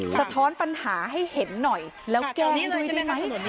สะท้อนปัญหาให้เห็นหน่อยแล้วแก้ไม่รู้ได้ไหม